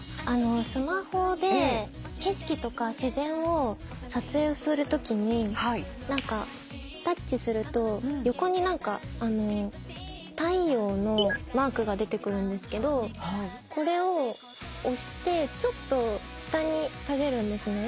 スマホで景色とか自然を撮影するときにタッチすると横に太陽のマークが出てくるんですけどこれを押してちょっと下に下げるんですね。